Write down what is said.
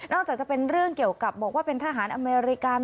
จากจะเป็นเรื่องเกี่ยวกับบอกว่าเป็นทหารอเมริกัน